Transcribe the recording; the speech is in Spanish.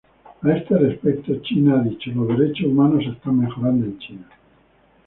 A este respecto, China ha dicho, los derechos humanos se están mejorando en China.